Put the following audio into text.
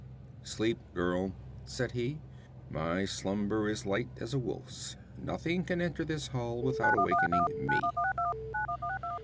'Sleep, girl,' said he. 'My slumber is light as a wolf's. Nothing can enter this hall without awaking me.'